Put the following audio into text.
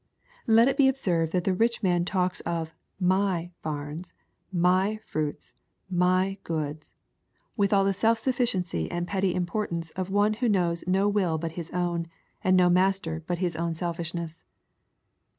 Let it be observed, that the rich man talks of " my" bams, " my" fruits, " my" goods, with all the self sufficiency and petty impor tance of one who knows no will but his own, and no master but his own selfishness.